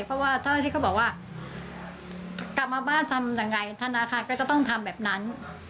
เพราะว่าเจ้าหน้าที่เขาบอกว่ากลับมาบ้านทำยังไงธนาคารก็จะต้องทำแบบนั้น